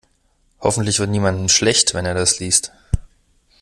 Hoffentlich wird niemandem schlecht, wenn er das liest.